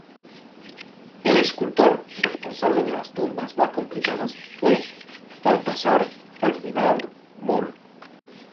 El escultor responsable de las tumbas más complicadas fue Balthasar Ferdinand Moll.